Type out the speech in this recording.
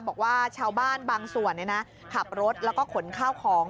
บอกว่าชาวบ้านบางส่วนขับรถแล้วก็ขนข้าวของ